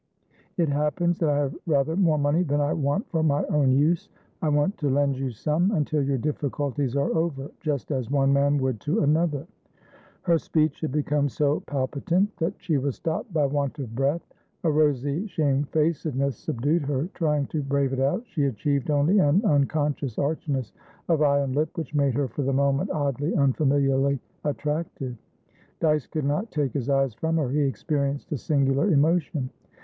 It happens that I have rather more money than I want for my own use. I want to lend you someuntil your difficulties are overjust as one man would to another" Her speech had become so palpitant that she was stopped by want of breath; a rosy shamefacedness subdued her; trying to brave it out, she achieved only an unconscious archness of eye and lip which made her for the moment oddly, unfamiliarly attractive. Dyce could not take his eyes from her; he experienced a singular emotion.